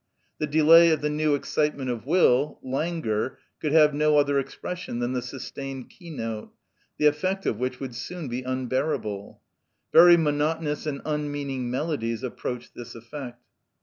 The delay of the new excitement of will, languor, could have no other expression than the sustained keynote, the effect of which would soon be unbearable; very monotonous and unmeaning melodies approach this effect.